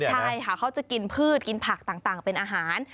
ใช่ค่ะเขาจะกินพืชกินผักต่างเป็นอาหาร